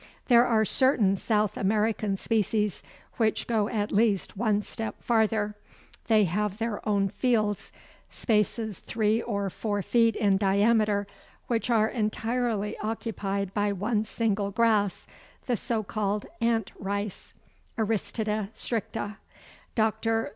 There are certain South American species which go at least one step farther. They have their own fields spaces three or four feet in diameter which are entirely occupied by one single grass, the so called Ant rice (Aristida stricta). Dr.